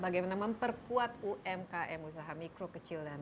bekerja habitatsnya yang dituju oleh bidang